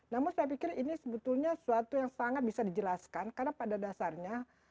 namun saya pikir ini sebetulnya suatu yang sangat bisa dijelaskan karena pada dasarnya